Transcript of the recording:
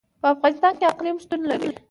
په افغانستان کې اقلیم شتون لري.